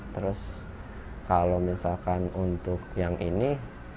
terus kalau misalkan untuk yang ini